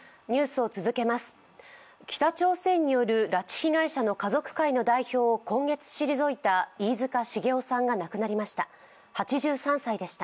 北朝鮮による拉致被害者家族会の代表を今月退いた飯塚繁雄さんが亡くなりました。